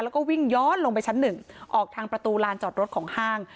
แล้วก็วิ่งย้อนลงไปชั้นหนึ่งออกทางประตูลานจอดรถของห้าง